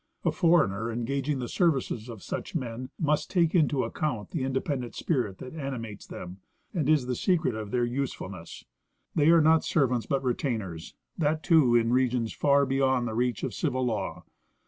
A foreigner engaging the services of such men must take into account the independent spirit that animates them and is the secret of their usefulness. They are not servants, but retainers ; that too in regions far beyond the reach of civil law.